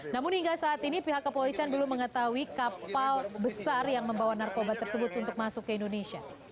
namun hingga saat ini pihak kepolisian belum mengetahui kapal besar yang membawa narkoba tersebut untuk masuk ke indonesia